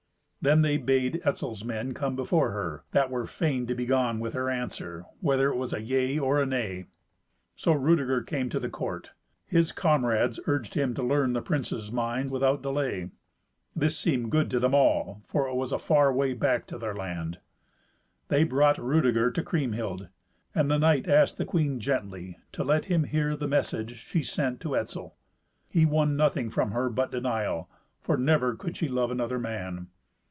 Then they bade Etzel's men come before her, that were fain to be gone with her answer, whether it was a "yea" or a "nay." So Rudeger came to the court. His comrades urged him to learn the princes' mind without delay. This seemed good to them all, for it was a far way back to their land. They brought Rudeger to Kriemhild. And the knight asked the queen gently to let him hear the message she sent to Etzel. He won nothing from her but denial, for never could she love another man.